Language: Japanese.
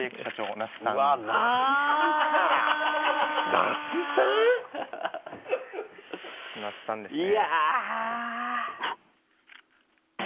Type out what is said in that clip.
那須さんですね。